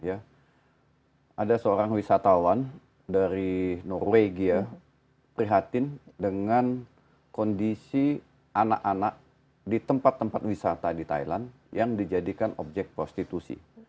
ada seorang wisatawan dari norwegia prihatin dengan kondisi anak anak di tempat tempat wisata di thailand yang dijadikan objek prostitusi